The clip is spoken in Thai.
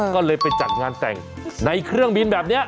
ก็เลยไปจัดงานแต่งในเครื่องบินแบบนี้